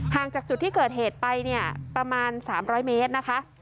ห่างจากจุดที่เกิดเหตุไปเนี่ยประมาณสามร้อยเมตรนะคะ